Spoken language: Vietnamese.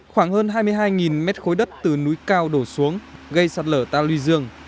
khoảng hơn hai mươi hai m khối đất từ núi cao đổ xuống gây sạt lở ta lùi dương